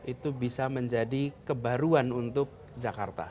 itu bisa menjadi kebaruan untuk jakarta